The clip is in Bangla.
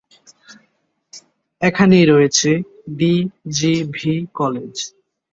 এখানেই রয়েছে ডি জি ভি কলেজ।